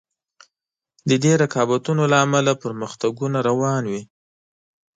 د دې رقابتونو له امله پرمختګونه روان وي.